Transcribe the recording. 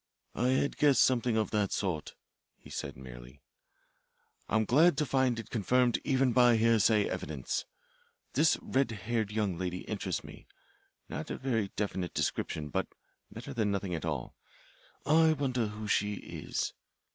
"I had guessed something of that sort," he said merely. "I'm glad to find it confirmed even by hearsay evidence. This red haired young lady interests me. Not a very definite description, but better than nothing at all. I wonder who she is.